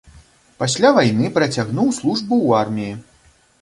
Пасля вайны працягнуў службу ў арміі.